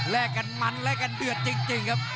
กันมันแลกกันเดือดจริงครับ